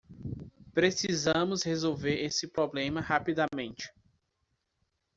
Precisamos resolver esse problema rapidamente.